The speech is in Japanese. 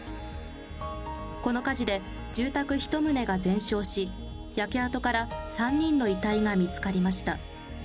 この火事で、住宅１棟が全焼し、焼け跡から３人の遺体が見つかりました。